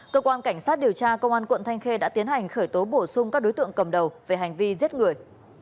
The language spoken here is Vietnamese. cơ quan cảnh sát điều tra công an quận thanh khê đã tiến hành khởi tố bổ sung các đối tượng cầm đầu về hành vi giết người